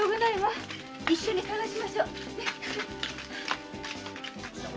一緒に捜しましょう。